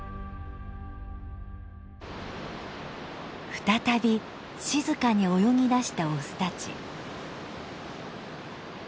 再び静かに泳ぎだしたオスたち。